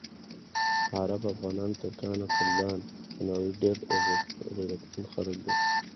عرب، افغانان، ترکان او کردان په نړۍ ډېر غیرتمند خلک دي.